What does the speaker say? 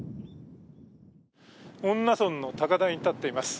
恩納村の高台に立っています。